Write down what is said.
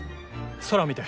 空を見て。